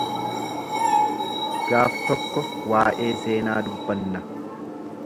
Gaaf tokko waa’ee seenaa dubbanna.